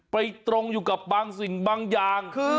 ตรงอยู่กับบางสิ่งบางอย่าง